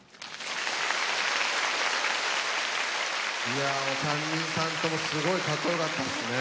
いやお三人さんともすごいかっこよかったっすね。